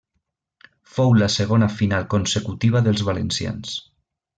Fou la segona final consecutiva dels valencians.